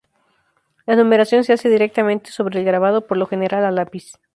La numeración se hace directamente sobre el grabado, por lo general a lápiz.